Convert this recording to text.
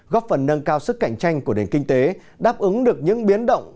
góp phần nâng cao sức cạnh tranh của nền kinh tế đáp ứng được những biến động